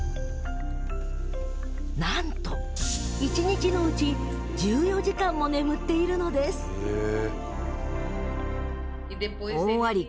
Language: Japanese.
なんと１日のうち１４時間も眠っているのですえ！